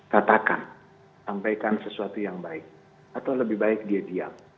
katakan sampaikan sesuatu yang baik atau lebih baik dia diam